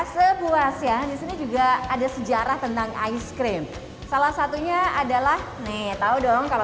sepuas ya disini juga ada sejarah tentang ice cream salah satunya adalah nih tahu dong kalau